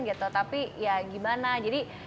gitu tapi ya gimana jadi